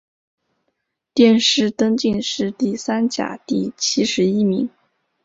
殿试登进士第三甲第七十一名。